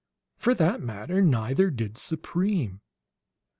For that matter, neither did Supreme.